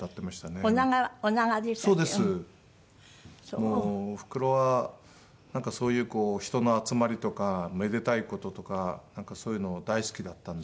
もうおふくろはなんかそういうこう人の集まりとかめでたい事とかなんかそういうの大好きだったので。